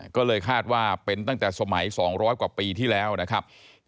ก็เลยคาดว่าเป็นตั้งแต่สมัย๒๐๐กว่าปีที่แล้วนะครับ